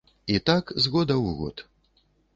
І так з года ў год.